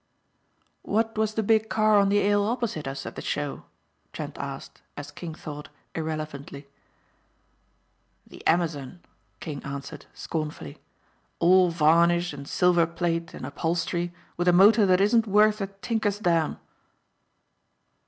"What was the big car on the aisle opposite us at the show?" Trent asked, as King thought, irrelevantly. "The 'Amazon,'" King answered scornfully. "All varnish and silver plate and upholstery with a motor that isn't worth a tinker's dam."